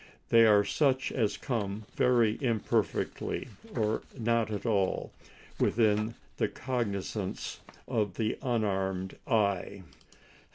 They are such as come very imperfectly, or not at all, within the cognisance of the unarmed eye.